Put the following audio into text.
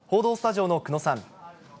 報道スタジオの久野さん。